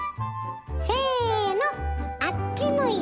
せのあっち向いてホイ！